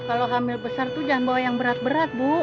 kalau hamil besar itu jangan bawa yang berat berat bu